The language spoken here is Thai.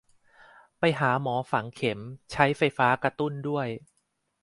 ไปหาหมอฝังเข็ม ใช้ไฟฟ้ากระตุ้นด้วย